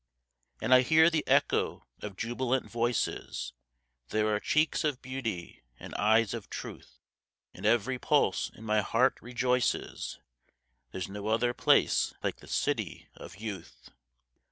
And I hear the echo of jubilant voices; There are cheeks of beauty and eyes of truth: And every pulse in my heart rejoices There's no other place like the City of Youth.